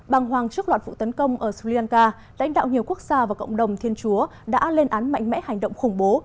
bằng hoàng trước loạt vụ tấn công ở sri lanka lãnh đạo nhiều quốc gia và cộng đồng thiên chúa đã lên án mạnh mẽ hành động khủng bố